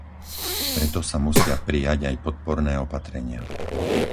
Preto sa musia prijať aj podporné opatrenia.